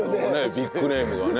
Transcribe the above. ビッグネームがね